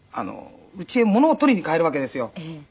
うちへものを取りに帰るわけですよ。